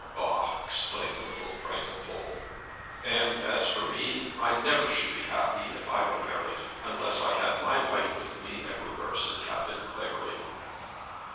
"Bah!" exclaimed the little Franco Pole. "And as for me, I never should be happy, if I were married, unless I had my wife with me everywhere," said Captain Clavering.